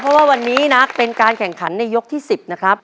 เพราะว่าวันนี้นะเป็นการแข่งขันในยกที่๑๐นะครับ